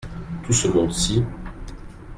Tout ce monde-ci.